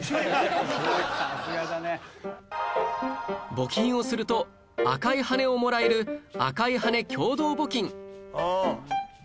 募金をすると赤い羽根をもらえる赤い羽根共同募金